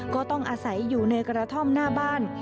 ก็ต้องอาศัยอยู่ในกระท่อมหน้าบ้าน